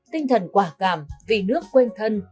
tinh thần quả cảm vì nước quen thân